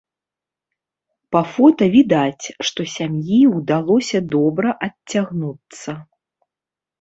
Па фота відаць, што сям'і ўдалося добра адцягнуцца.